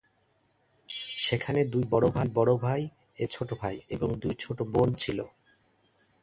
সেখানে দুই বড় ভাই এবং এক ছোট ভাই এবং দুই ছোট বোন ছিল।